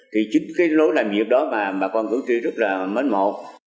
thì chính cái lối làm việc đó mà bà con cử tri rất là mến mộ